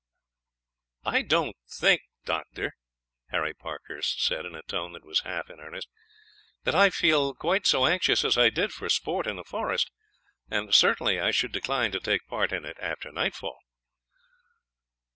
"I don't think, Doctor," Harry Parkhurst said, in a tone that was half in earnest, "that I feel so anxious as I did for sport in the forest; and certainly I should decline to take part in it after nightfall."